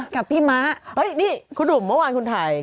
ค้าขวับมาถามกว่า